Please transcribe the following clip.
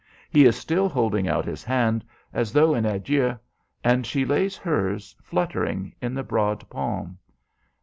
He is still holding out his hand as though in adieu, and she lays hers, fluttering, in the broad palm.